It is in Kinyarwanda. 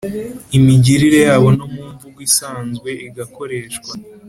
imigirire yabo no mu mvugo isanzwe igakoreshwa,